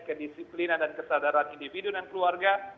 kedisiplinan dan kesadaran individu dan keluarga